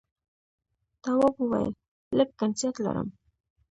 تواب وويل: لږ گنگسیت لرم.